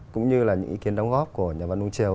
cũng như là những ý kiến đóng góp của nhà văn uông triều